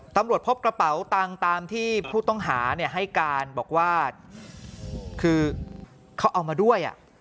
ตำรวจพบกระเป๋าตังค์ตามที่ผู้ต้องหาให้การบอกว่าคือเขาเอามาด้วย